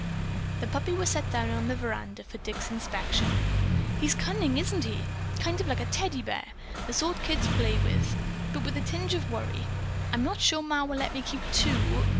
The puppy was set down on the veranda floor for Dick's inspection. "He's cunning, isn't he? Kind of like a Teddy Bear, the sort kids play with. But," with a tinge of worry, "I'm not sure Ma will let me keep two.